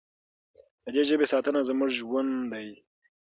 د دې ژبې ساتنه زموږ ژوند دی.